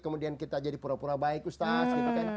kemudian kita jadi pura pura baik ustaz